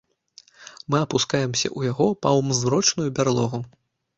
Мы апускаемся ў яго паўзмрочную бярлогу.